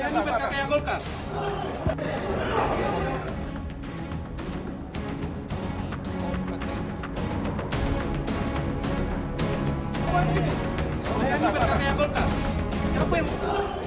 laya ini berkarya golkar